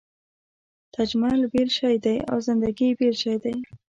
تجمل بېل شی دی او زندګي بېل شی دی.